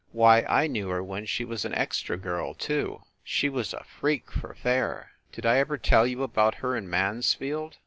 Why, I knew her when she was an extra girl, too! She was a freak, for fair. Did I ever tell you about her and Mansfield